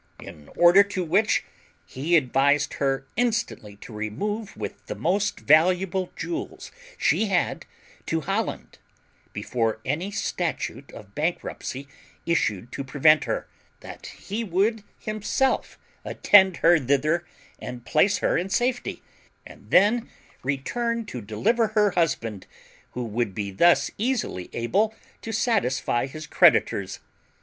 In order to which he advised her instantly to remove with the most valuable jewels she had to Holland, before any statute of bankruptcy issued to prevent her; that he would himself attend her thither and place her in safety, and then return to deliver her husband, who would be thus easily able to satisfy his creditors.